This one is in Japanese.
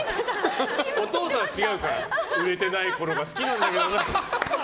お父さん、売れてないころが好きなんだけどな。